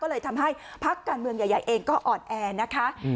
ก็เลยทำให้พักการเมืองใหญ่เองก็อ่อนแอนะคะ